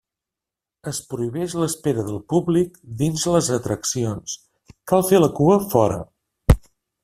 Es prohibeix l'espera del públic dins les atraccions, cal fer la cua fora.